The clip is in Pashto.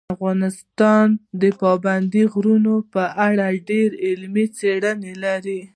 افغانستان د پابندي غرونو په اړه ډېرې علمي څېړنې لري.